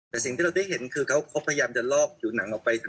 แต่สิ่งที่เราได้เห็นคือเขาพยายามจะลอกผิวหนังออกไป